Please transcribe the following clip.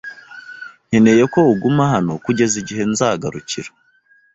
nkeneye ko uguma hano kugeza igihe nzagarukira.